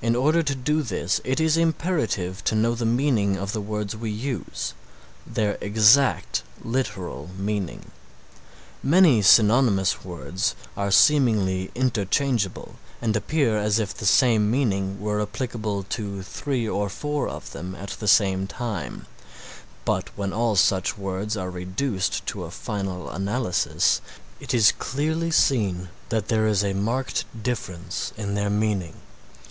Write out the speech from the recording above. In order to do this it is imperative to know the meaning of the words we use, their exact literal meaning. Many synonymous words are seemingly interchangeable and appear as if the same meaning were applicable to three or four of them at the same time, but when all such words are reduced to a final analysis it is clearly seen that there is a marked difference in their meaning.